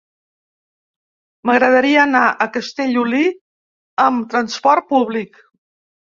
M'agradaria anar a Castellolí amb trasport públic.